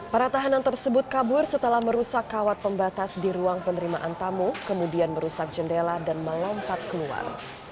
para tahanan tersebut kabur setelah merusak kawat pembatas di ruang penerimaan tamu kemudian merusak jendela dan melompat keluar